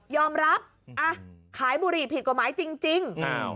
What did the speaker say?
ยอมรับอ่ะขายบุรีผิดกว่าไม้จริง